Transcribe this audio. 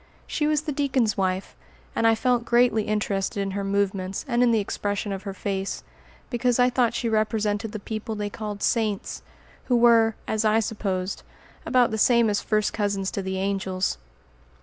She was the deacon's wife, and I felt greatly interested in her movements and in the expression of her face, because I thought she represented the people they called "saints," who were, as I supposed, about the same as first cousins to the angels.